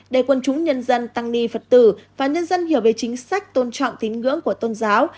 để quân chúng nhân dân tăng ni phật tử và nhân dân hiểu về chính sách tôn trọng tín ngưỡng của tôn giáo